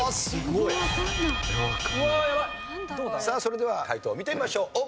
さあそれでは解答を見てみましょう。